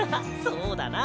そうだな。